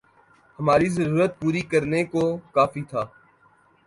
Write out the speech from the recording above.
ہماری ضرورت پوری کرنے کو کافی تھا